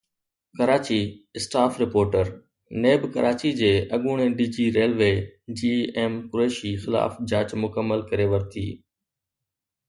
Karachi (staff reporter) NAB Karachi جي اڳوڻي D G railway جي ايم قريشي خلاف جاچ مڪمل ڪري ورتي